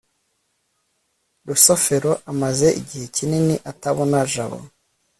rusufero amaze igihe kinini atabona jabo